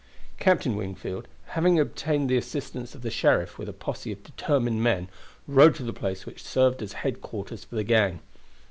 Captain Wingfield, having obtained the assistance of the sheriff with a posse of determined men, rode to the place which served as headquarters for the gang.